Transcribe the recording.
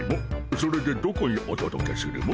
それでどこにおとどけするモ？